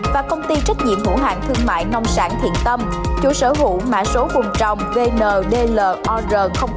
và công ty trách nhiệm ngũ hãng thương mại nông sản thiện tâm chủ sở hữu mã số vùng trồng vndlor bảy mươi hai